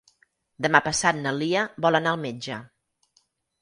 Demà passat na Lia vol anar al metge.